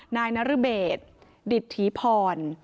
นายนรเบฎดิฐีพร